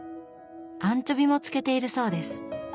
アンチョビも漬けているそうです。